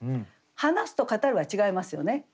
「話す」と「語る」は違いますよね。